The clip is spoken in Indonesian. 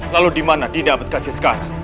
lalu dimana dinda ambedkasi sekarang